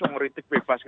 yang kritik bebas